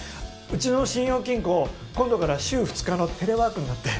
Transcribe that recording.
うちの信用金庫今度から週２日のテレワークになって。